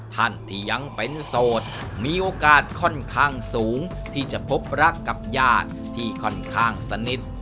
ท่านที่ยังเป็นโสดมีโอกาสค่อนข้างสูงที่จะพบรักกับญาติที่ค่อนข้างสนิท